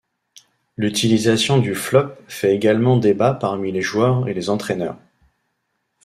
L'utilisation du flop fait également débat parmi les joueurs et les entraineurs.